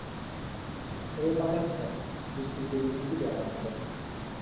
তবে বাতাস ভারি, বৃষ্টির দেরি নেই বলে আমার ধারণা।